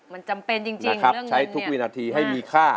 มันจำเป็นจริงครับใช้ทุกวินาทีให้มีค่า